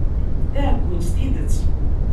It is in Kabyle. D aɛeggun s tidet!